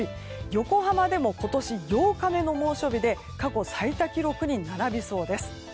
横浜でも今年８日目の猛暑日で過去最多記録に並びそうです。